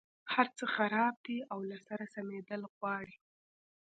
هرڅه خراب دي او له سره سمېدل غواړي.